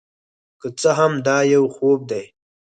که څه هم دا یو خوب دی،